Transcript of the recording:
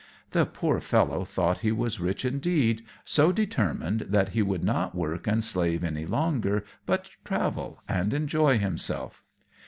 The poor fellow thought that he was rich indeed, so determined that he would not work and slave any longer, but travel and enjoy himself.